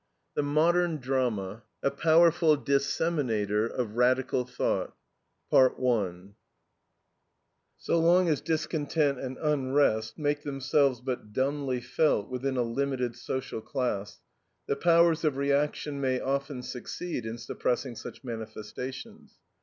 THE MODERN DRAMA: A POWERFUL DISSEMINATOR OF RADICAL THOUGHT So long as discontent and unrest make themselves but dumbly felt within a limited social class, the powers of reaction may often succeed in suppressing such manifestations.